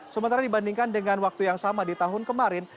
sementara dibandingkan dengan waktu yang sama di tahun kemarin